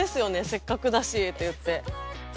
せっかくだしって言って。